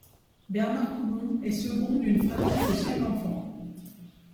Bernard Coulon est second d'une fratrie de cinq enfants.